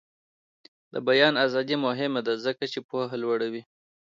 د بیان ازادي مهمه ده ځکه چې پوهه لوړوي.